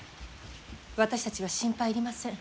私たちは心配いりません。